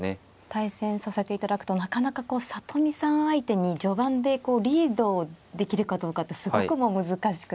対戦させていただくとなかなか里見さん相手に序盤でリードをできるかどうかってすごく難しくて。